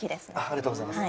ありがとうございます。